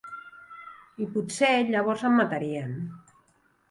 I potser llavors em matarien.